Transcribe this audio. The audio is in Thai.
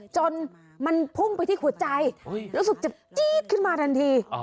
จนมันพุ่งไปที่หัวใจรู้สึกจะจี๊ดขึ้นมาทันที